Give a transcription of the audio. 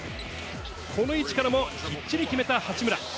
この位置からもきっちり決めた八村。